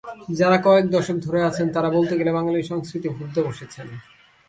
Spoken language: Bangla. যাঁরা কয়েক দশক ধরে আছেন, তাঁরা বলতে গেলে বাঙালি সংস্কৃতি ভুলতে বসেছেন।